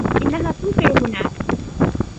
إنها تمطر هناك.